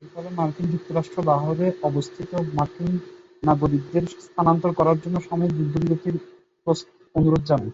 এর ফলে মার্কিন যুক্তরাষ্ট্র লাহোরে অবস্থানরত মার্কিন নাগরিকদের স্থানান্তর করার জন্য সাময়িক যুদ্ধবিরতির অনুরোধ জানায়।